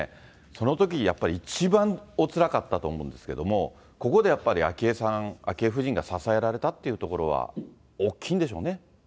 そのときやっぱり一番おつらかったと思うんですけれども、ここでやっぱり昭恵さん、昭恵夫人が支えられたというところは大きいんでしょうね。